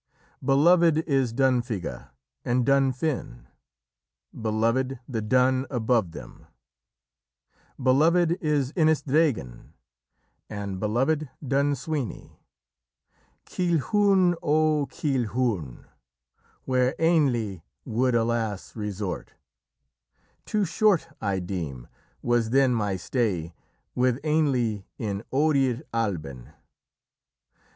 Beloved is Dunfidgha and Dun Fin; Beloved the Dun above them; Beloved is Innisdraighende; And beloved Dun Suibhne. Coillchuan! O Coillchuan! Where Ainnle would, alas! resort; Too short, I deem, was then my stay With Ainnle in Oirir Alban.